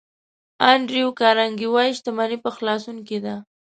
انډریو کارنګي وایي شتمني په خلاصون کې ده.